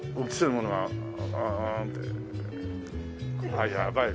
あっやばい。